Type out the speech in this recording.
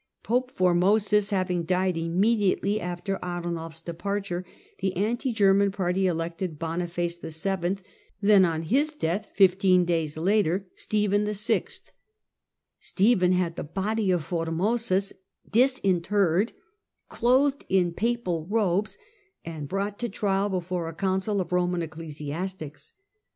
Pope Formosus having died immediately after Arnulf 's departure, the anti German party elected Boniface VII., 224 THE DAWN OF MEDIEVAL EUROPE then, on his death fifteen days later, Stephen VI. Stephen had the body of Formosus disinterred, clothed in papal robes and brought to trial before a council of Roman ecclesiastics.